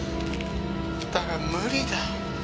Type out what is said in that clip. だが無理だ。